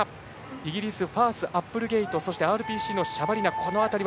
イギリス、ファースアップルゲイトＲＰＣのシャバリナ。